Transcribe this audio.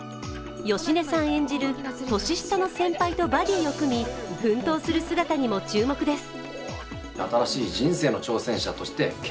芳根さん演じる年下の先輩とバディを組み奮闘する姿にも注目です。